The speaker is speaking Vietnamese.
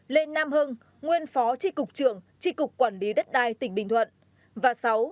năm lê nam hưng nguyên phó chi cục trưởng chi cục quản lý đất đai tỉnh bình thuận